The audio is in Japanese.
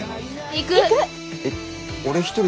行く！